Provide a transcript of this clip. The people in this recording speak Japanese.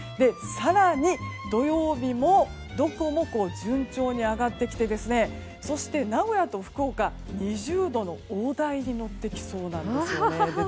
更に土曜日もどこも順調に上がってきてそして名古屋と福岡は２０度の大台に乗ってきそうです。